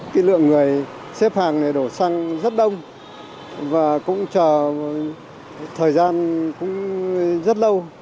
cái lượng người xếp hàng đổ xăng rất đông và cũng chờ thời gian rất lâu